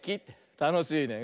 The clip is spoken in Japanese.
たのしいね。